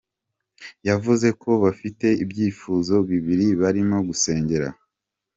com, yavuze ko bafite ibyifuzo bibiri barimo gusengera.